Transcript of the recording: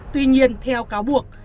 tuy nhiên theo cáo buộc